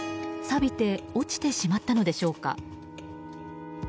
さびて落ちてしまったのでしょうか。